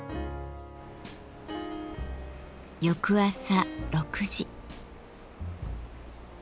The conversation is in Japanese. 翌朝６時。